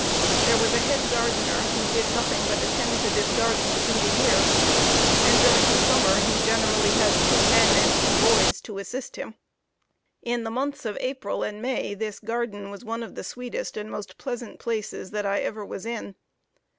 There was a head gardener, who did nothing but attend to this garden through the year; and during the summer he generally had two men and two boys to assist him. In the months of April and May this garden was one of the sweetest and most pleasant places that I ever was in.